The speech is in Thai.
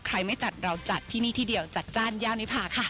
ไม่จัดเราจัดที่นี่ที่เดียวจัดจ้านย่านิพาค่ะ